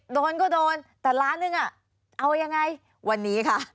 โดนก็โดนแต่ล้านหนึ่งอ่ะเอายังไงวันนี้ค่ะ